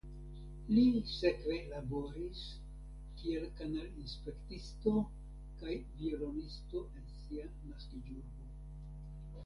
Li sekve laboris kiel kanalinspektisto kaj violonisto en sia naskiĝurbo.